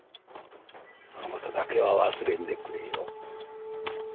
その事だけは忘れんでくれよ。